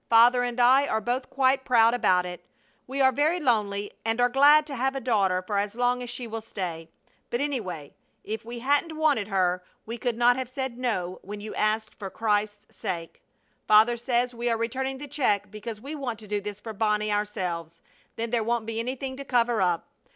Father and I are both quite proud about it. We are very lonely and are glad to have a daughter for as long as she will stay. But, anyway, if we hadn't wanted her, we could not have said no when you asked for Christ's sake. Father says we are returning the check because we want to do this for Bonnie ourselves; then there won't be anything to cover up.